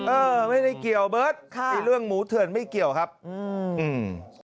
เออไม่ได้เกี่ยวเบิร์ตค่ะไอ้เรื่องหมูเถื่อนไม่เกี่ยวครับอืมอืม